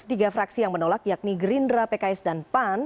tiga fraksi yang menolak yakni gerindra pks dan pan